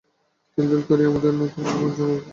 তিল তিল করিয়া আমরা নূতন ভূমি জয় করিয়া লইব।